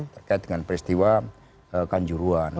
terkait dengan peristiwa kanjuruhan